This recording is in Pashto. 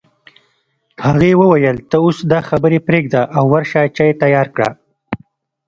هغې وویل ته اوس دا خبرې پرېږده او ورشه چای تيار کړه